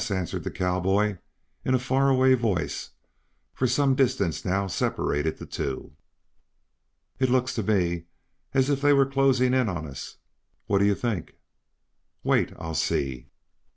answered the cowboy, in a far away voice, for some distance now separated the two. "It looks to me as if they were closing in on us. What do you think?" "Wait! I'll see."